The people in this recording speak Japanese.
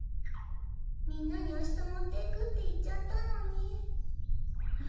みんなにあしたもっていくっていっちゃったのに。